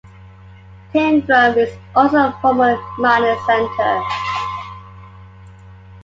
Tyndrum is also a former mining centre.